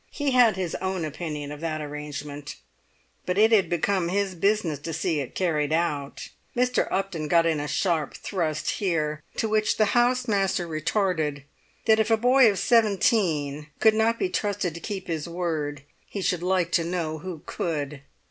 He had his own opinion of that arrangement, but it had become his business to see it carried out. Mr. Upton got in a sharp thrust here, to which the house master retorted that if a boy of seventeen could not be trusted to keep his word, he should like to know who could!